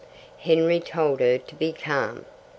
Henry told her to be calm.